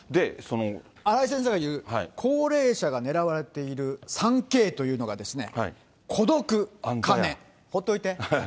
荒井先生が言う高齢者が狙われている３Ｋというのが、孤独、あんたや。